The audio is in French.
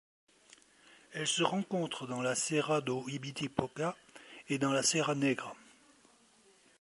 Elle se rencontre dans la Serra do Ibitipoca et dans la Serra Negra.